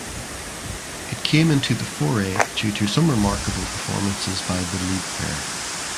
It came into the foray due some remarkable performances by the lead pair.